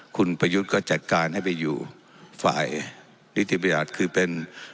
คุณประยุทธ์ก็จัดการให้ไปอยู่ฝ่ายนิติบัญญัติคือเป็น